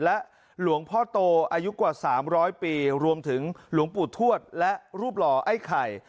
และหลวงพ่อโตอายุกว่า๓๐๐ปีรวมถึงหลวงปู่ทวดและรูปหล่อไอ้ไข่